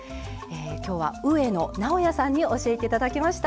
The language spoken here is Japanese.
きょうは上野直哉さんに教えていただきました。